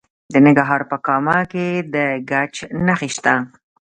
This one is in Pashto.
د ننګرهار په کامه کې د ګچ نښې شته.